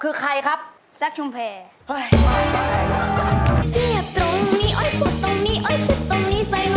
คือใครครับซักชุมแผง